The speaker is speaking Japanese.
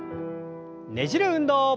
ねじる運動。